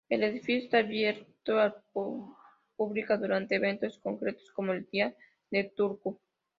El edificio está abierto al pública durante eventos concretos como el Día de Turku.